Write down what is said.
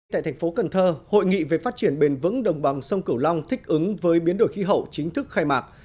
tại thành phố cần thơ hội nghị về phát triển bền vững đồng bằng sông cửu long thích ứng với biến đổi khí hậu chính thức khai mạc